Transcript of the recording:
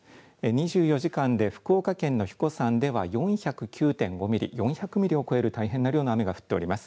２４時間で福岡県の英彦山では４０９．５ミリ、４００ミリを超える大変な量の雨が降っています。